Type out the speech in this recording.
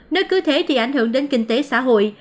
nơi cứ thế thì ảnh hưởng đến kinh tế xã hội